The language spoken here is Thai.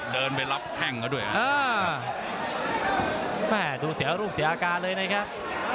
เดินไปรับแท่งกันด้วยอ่าแหมดูเสียรูปเสียอากาศเลยนะครับ